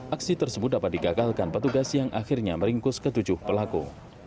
aksi tersebut dapat digagalkan petugas yang akhirnya meringkus ketujuh pelaku